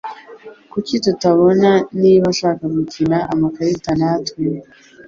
Kuki tutabona niba ashaka gukina amakarita natwe?